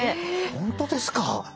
本当ですか！